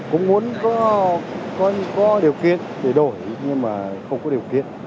cũng muốn có điều kiện để đổi nhưng mà không có điều kiện